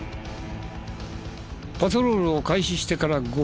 パトロールを開始してから５分。